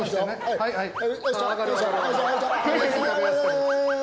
はい！